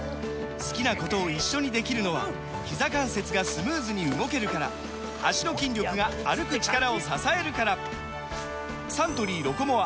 好きなことを一緒にできるのはひざ関節がスムーズに動けるから脚の筋力が歩く力を支えるからサントリー「ロコモア」！